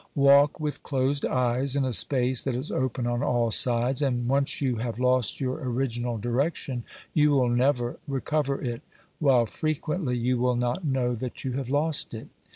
Walk with closed eyes in a space that is open on all sides, and once you have lost your original direction you will never recover it, while frequently you will not know that you have lost it.